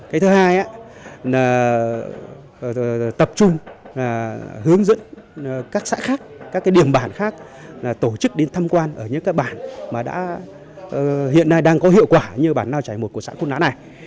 cái thứ hai là tập trung hướng dẫn các xã khác các điểm bản khác tổ chức đến tham quan ở những bản hiện nay đang có hiệu quả như bản nào trải một của xã khu nã này